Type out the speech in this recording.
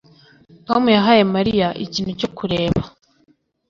Tom yahaye Mariya ikintu cyo kureba